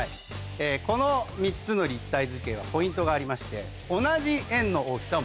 この３つの立体図形はポイントがありまして。